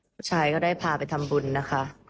ผู้ชายก็ได้พาไปทำบุญนะคะ